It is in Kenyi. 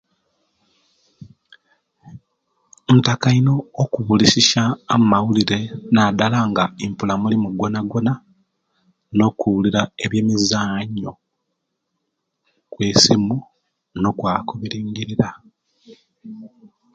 Ntaka ino okubulisisya amaulire nadala nga npula mulimu gwona gwona nokubulira ebye mizanyu okwisimu nokwa kulingirira